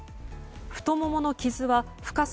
太ももの傷は深さ